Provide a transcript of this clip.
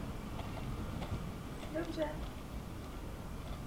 Domnívám se, že by to bylo na místě.